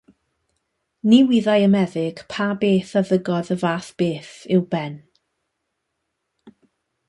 Ni wyddai y meddyg pa beth a ddygodd y fath beth i'w ben.